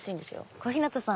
小日向さん